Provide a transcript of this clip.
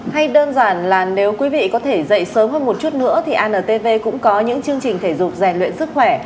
hay đơn giản là nếu quý vị có thể dạy sớm hơn một chút nữa thì antv cũng có những chương trình thể dục rèn luyện sức khỏe